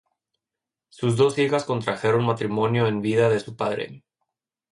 Sus dos hijas contrajeron matrimonio en vida de su padre.